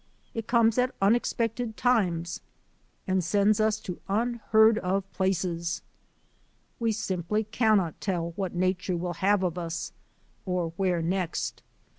It comes at unexpected times and sends us to unheard of places. We simply cannot tell what nature will have of us, or where next.